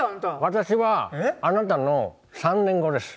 私はあなたの３年後です。